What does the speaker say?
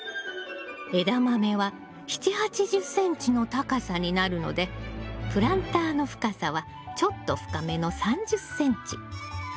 エダマメは７０８０ｃｍの高さになるのでプランターの深さはちょっと深めの３０ｃｍ。